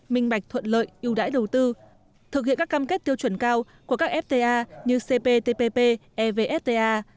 minh bạch thuận lợi ưu đãi đầu tư thực hiện các cam kết tiêu chuẩn cao của các fta như cptpp evfta